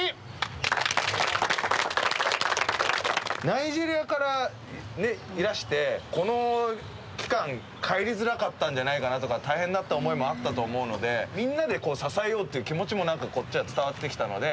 ナイジェリアからいらしてこの期間帰りづらかったんじゃないかなとか大変だった思いもあったと思うのでみんなで支えようっていう気持ちも何かこっちは伝わってきたので。